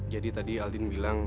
jadi tadi aldin bilang